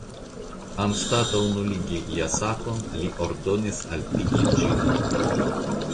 Anstataŭ nuligi jasakon li ordonis altigi ĝin.